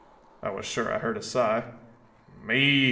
I was sure I heard a sigh. "Me?"